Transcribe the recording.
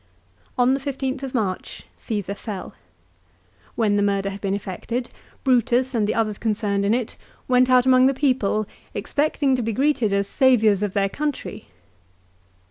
On the 15th of March Csesar fell. When the murder had been effected Brutus and the others concerned in it went out among the people expecting to be greeted as saviours of their country.